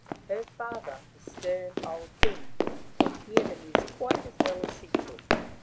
Her father, the stern old king, could hear the music quite as well as she could.